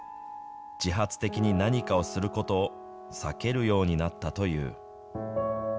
自発的に何かをすることを避けるようになったという。